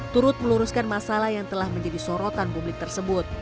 turut meluruskan masalah yang telah menjadi sorotan publik tersebut